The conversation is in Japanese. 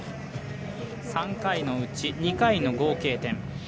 ３回のうち２回の合計点。